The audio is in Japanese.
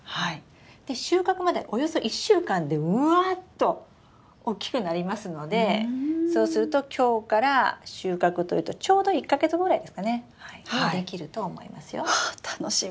で収穫までおよそ１週間でうわっと大きくなりますのでそうすると今日から収穫というとちょうど１か月ぐらいですかねにできると思いますよ。は楽しみ！